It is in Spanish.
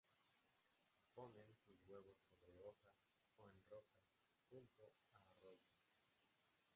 Ponen sus huevos sobre hojas o en rocas junto a arroyos.